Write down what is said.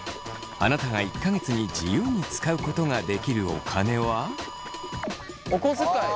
あなたが１か月に自由に使うことができるお金は？お小遣い。